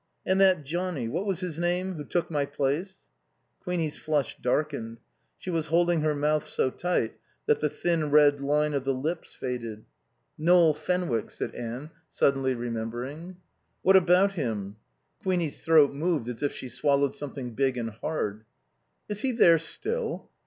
"And that Johnnie what was his name? who took my place?" Queenie's flush darkened. She was holding her mouth so tight that the thin red line of the lips faded. "Noel Fenwick," said Anne, suddenly remembering. "What about him?" Queenie's throat moved as if she swallowed something big and hard. "Is he there still?"